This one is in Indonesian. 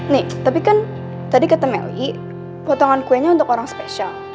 nih tapi kan tadi kata melly potongan kuenya untuk orang spesial